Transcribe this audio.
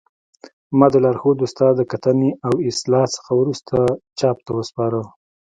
ما د لارښود استاد د کتنې او اصلاح څخه وروسته چاپ ته وسپاره